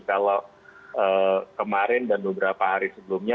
kalau kemarin dan beberapa hari sebelumnya